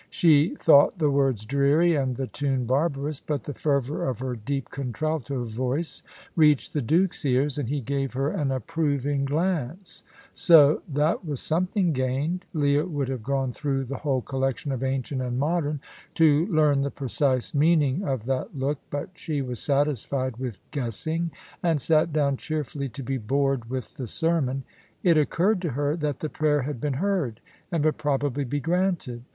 She thought the words dreary and the tune barbarous, but the fervour of her deep contralto voice reached the Duke's ears, and he gave her an approving glance; so that was something gained. Leah would have gone through the whole collection of Ancient and Modern to learn the precise meaning of that look, but she was satisfied with guessing, and sat down cheerfully to be bored with the sermon. It occurred to her that the prayer had been heard, and would probably be granted.